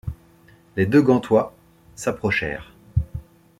Les deux gantois s’approchèrent.